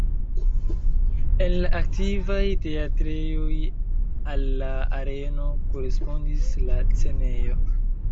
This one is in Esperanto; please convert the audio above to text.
En la antikvaj teatrejoj al la areno korespondis la scenejo.